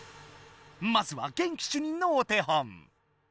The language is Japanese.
まずは元気主任のお手本。